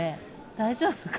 大丈夫かな？